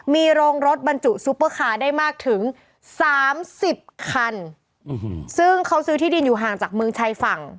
มีโรงรถบรรจุซุปเปอร์คาร์ได้มากถึงสามสิบคันซึ่งเขาซื้อที่ดินอยู่ห่างจากเมืองชายฝั่ง